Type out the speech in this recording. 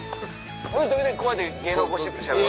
時々こうやって芸能ゴシップしゃべる。